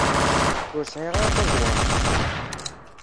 Ur sɛiɣ ara taẓwert.